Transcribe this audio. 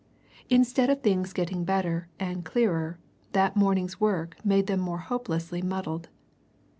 Instead of things getting better and clearer, that morning's work made them more hopelessly muddled.